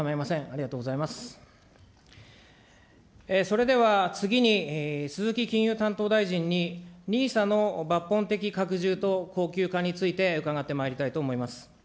それでは次に、鈴木金融担当大臣に、ＮＩＳＡの抜本的拡充と恒久化について伺ってまいりたいと思います。